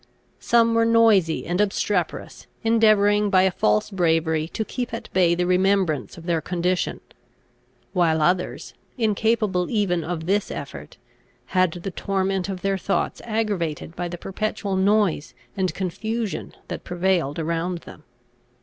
Some were noisy and obstreperous, endeavouring by a false bravery to keep at bay the remembrance of their condition; while others, incapable even of this effort, had the torment of their thoughts aggravated by the perpetual noise and confusion that prevailed around them.